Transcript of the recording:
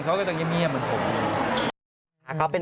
เขาพูดไม่เป็น